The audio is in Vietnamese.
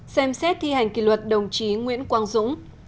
ba xem xét thi hành kỷ luật đồng chí nguyễn quang dũng